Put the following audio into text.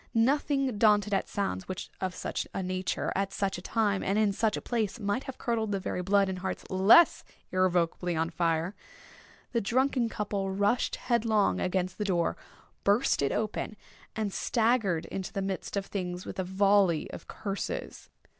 Nothing daunted at sounds which, of such a nature, at such a time, and in such a place, might have curdled the very blood in hearts less irrevocably on fire, the drunken couple rushed headlong against the door, burst it open, and staggered into the midst of things with a volley of curses.